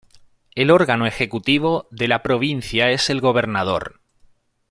El órgano ejecutivo de la provincia es el gobernador.